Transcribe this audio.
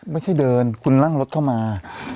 ไม่ใช่เดินคุณนั่งรถเข้ามา